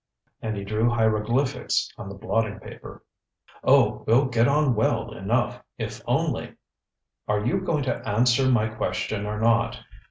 ŌĆØ And he drew hieroglyphics on the blotting paper. ŌĆ£Oh! WeŌĆÖll get on well enough, if only....ŌĆØ ŌĆ£Are you going to answer my question or not?